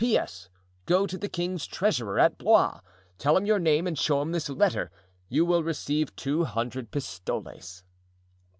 "P. S.—Go to the king's treasurer, at Blois; tell him your name and show him this letter; you will receive two hundred pistoles."